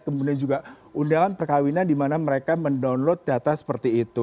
kemudian juga undangan perkawinan di mana mereka mendownload data seperti itu